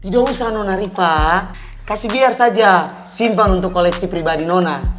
tidak usah nonna riva kasih biar saja simpan untuk koleksi pribadi nona